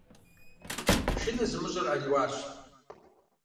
Шынэ зымыщӀэр Ӏэниуарщ!